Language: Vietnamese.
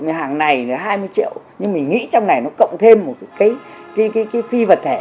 cái hàng này là hai mươi triệu nhưng mình nghĩ trong này nó cộng thêm một cái phi vật thể